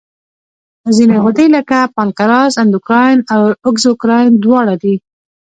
ځینې غدې لکه پانکراس اندوکراین او اګزوکراین دواړه دي.